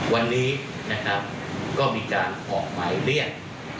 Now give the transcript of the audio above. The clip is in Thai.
วันนี้นะครับก็มีการออกหมายเรียก